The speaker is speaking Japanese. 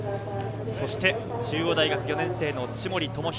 そして中央大学４年生の千守倫央。